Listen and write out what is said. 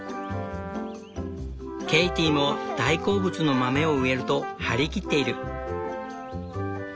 ケイティも「大好物の豆を植える」と張り切っている。